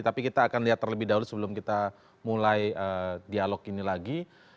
tapi kita akan lihat terlebih dahulu sebelum kita mulai dialog ini lagi